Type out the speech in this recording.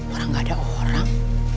orang gak ada orang